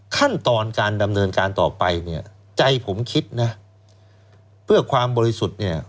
ขั้นตอนการดำเนินการต่อไปเนี่ยใจผมคิดนะเพื่อความบริสุทธิ์เนี่ย